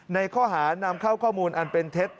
ในข้อหานำเข้าข้อมูลอันเป็นเท็จ